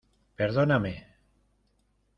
¡ perdóname!